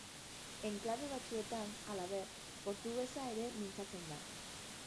Enklabe batzuetan, halaber, portugesa ere mintzatzen da.